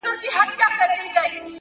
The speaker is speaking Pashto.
خیال دي!!